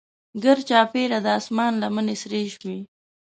ګرچاپیره د اسمان لمنې سرې شوې.